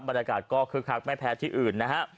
บรรยากาศก็คึกคักไม่แพ้ที่อื่นนะฮะ